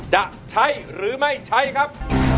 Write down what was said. จะใช้หรือไม่ใช้ครับ